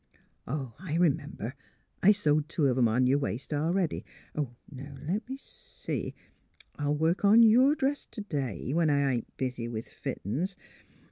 '* Oh, I r 'member; I sewed two of 'em on your waist a 'ready. Now le' me see; I'll work on your dress t' day — ^when I ain't busy with fittin's.